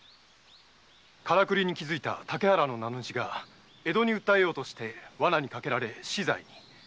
からくりに気付いた竹原の名主が江戸に訴えようとして罠にかけられ死罪に。